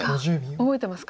覚えてますか？